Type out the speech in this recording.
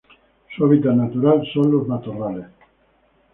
Su hábitat natural son los matorrales.